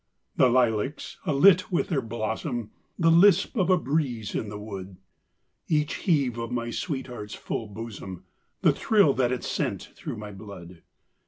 The lilacs alit with their blossom, The lisp of the breeze in the wood, Each heave of my sweetheart's full bosom— The thrill that it sent through my blood!